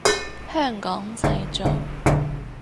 香港製造